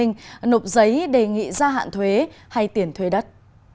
nộp giấy đề nghị gia hạn thuế hay tiền thuê đất